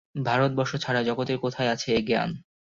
ভারতবর্ষ ছাড়া জগতের কোথায় আছে এ জ্ঞান?